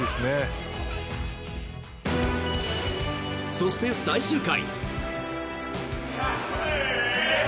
そして、最終回。